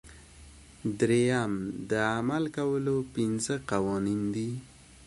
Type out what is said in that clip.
دریم د عمل کولو پنځه قوانین دي.